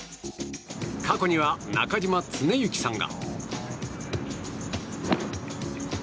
過去には、中嶋常幸さんが。